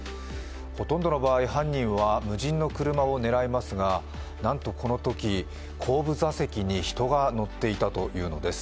ほとんどの場合、犯人は無人の車を狙いますが、なんとこのとき、後部座席に人が乗っていたというのです。